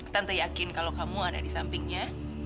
tante yakin kalau kamu ada di sampingnya